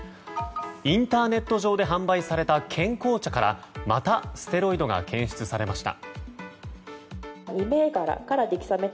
インターネット上で販売された健康茶からまたステロイドが検出されました。